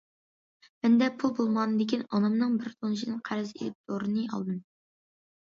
مەندە پۇل بولمىغاندىكىن ئانامنىڭ بىر تونۇشىدىن قەرز ئېلىپ دورىنى ئالدىم.